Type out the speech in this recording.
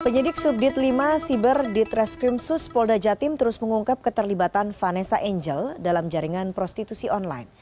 penyidik subdit lima siber ditreskrim sus polda jatim terus mengungkap keterlibatan vanessa angel dalam jaringan prostitusi online